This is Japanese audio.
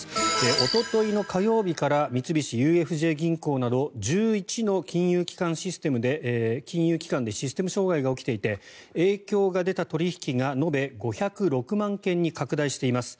おとといの火曜日から三菱ＵＦＪ銀行など１１の金融機関でシステム障害が起きていて影響が出た取引が延べ５０６万件に拡大しています。